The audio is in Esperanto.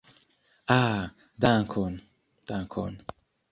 Ah, dankon, dankon!